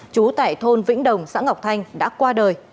trú tại thôn vĩnh đồng xã ngọc thanh đã qua đời